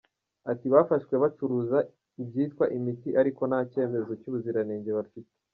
Ati “Bafashwe bacuruza ibyitwa imiti ariko nta cyemezo cy’ubuziranenge bafite.